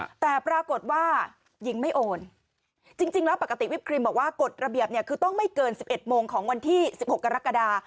แต่ปรากฏว่าหญิงไม่โอนจริงจริงแล้วปกติวิปครีมบอกว่ากฎระเบียบเนี่ยคือต้องไม่เกินสิบเอ็ดโมงของวันที่สิบหกกรกฎา